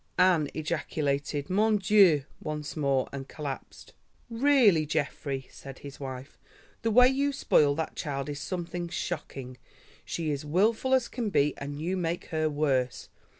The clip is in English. Anne ejaculated, "Mon Dieu!" once more and collapsed. "Really, Geoffrey," said his wife, "the way you spoil that child is something shocking. She is wilful as can be, and you make her worse.